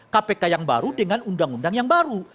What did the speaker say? kpk yang baru dengan undang undang yang baru